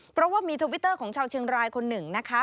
เพราะว่ามีทวิตเตอร์ของชาวเชียงรายคนหนึ่งนะคะ